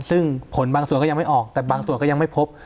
ซึ่งผลบางส่วนก็ยังไม่ออกแต่บางส่วนก็ยังไม่พบ